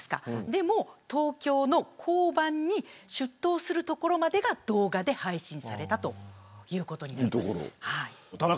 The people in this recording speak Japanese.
でも、東京の交番に出頭するところまでが動画で配信されたということになります。